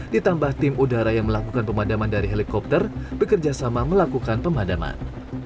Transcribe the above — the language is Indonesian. ditambah tim udara yang melakukan pemadaman dari helikopter bekerjasama melakukan pemadaman